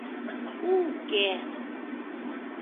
У-уке.